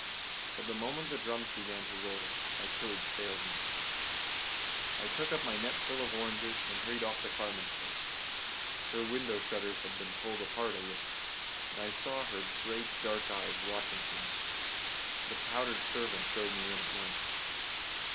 But the moment the drums began to roll, my courage failed me. I took up my net full of oranges, and hurried off to Carmen's house. Her window shutters had been pulled apart a little, and I saw her great dark eyes watching for me. The powdered servant showed me in at once.